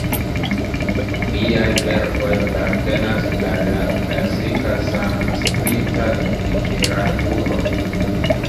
Liaj verkoj apartenas al la klasika sanskrita literaturo.